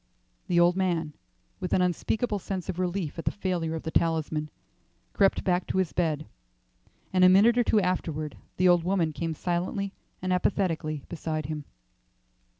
The old man, with an unspeakable sense of relief at the failure of the talisman, crept back to his bed, and a minute or two afterward the old woman came silently and apathetically beside him.